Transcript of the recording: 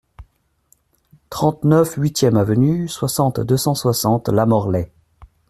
trente-neuf huit e Avenue, soixante, deux cent soixante, Lamorlaye